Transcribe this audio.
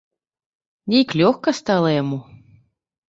Нейк лёгка стала яму.